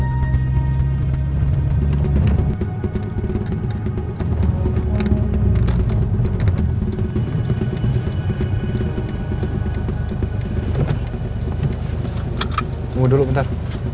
tunggu dulu bentar